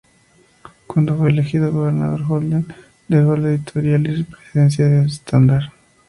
Cuándo fue elegido gobernador, Holden dejó la editorial y presidencia de S"tandar".